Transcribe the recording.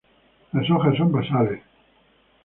Las hojas son basales y a menudo de ahí salen las hojas.